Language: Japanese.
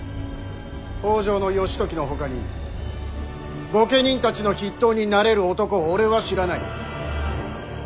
北条義時のほかに御家人たちの筆頭になれる男を俺は知らない。